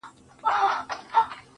مړ مه سې، د بل ژوند د باب وخت ته,